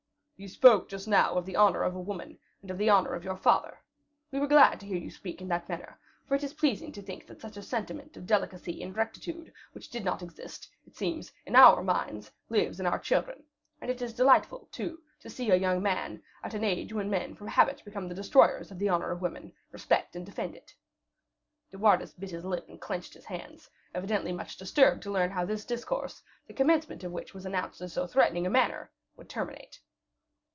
"You spoke just now of the honor of a woman, and of the honor of your father. We were glad to hear you speak in that manner; for it is pleasing to think that such a sentiment of delicacy and rectitude, and which did not exist, it seems, in our minds, lives in our children; and it is delightful, too, to see a young man, at an age when men from habit become the destroyers of the honor of women, respect and defend it." De Wardes bit his lip and clenched his hands, evidently much disturbed to learn how this discourse, the commencement of which was announced in so threatening a manner, would terminate.